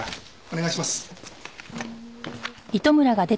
お願いします。